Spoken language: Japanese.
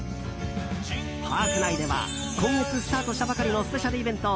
パーク内では今月スタートしたばかりのスペシャルイベント